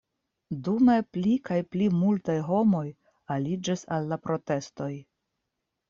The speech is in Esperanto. Dume pli kaj pli multaj homoj aliĝis al la protestoj.